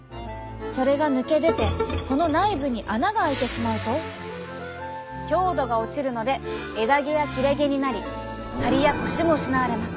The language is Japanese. それが抜け出てこの内部に穴があいてしまうと強度が落ちるので枝毛や切れ毛になりハリやコシも失われます。